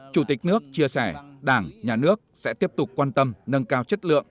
chủ tịch nước chia sẻ đảng nhà nước sẽ tiếp tục quan tâm nâng cao chất lượng